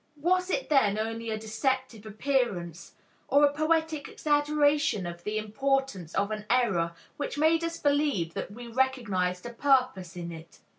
Was it then only a deceptive appearance or a poetic exaggeration of the importance of an error which made us believe that we recognized a purpose in it?